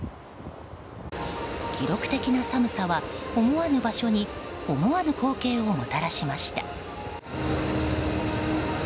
記録的な寒さは思わぬ場所に思わぬ光景をもたらしました。